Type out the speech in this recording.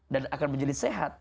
dan akan menjadi sehat